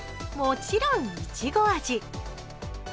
もちろんいちご味。